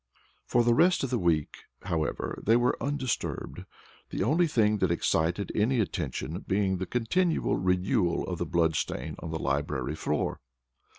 For the rest of the week, however, they were undisturbed, the only thing that excited any attention being the continual renewal of the blood stain on the library floor.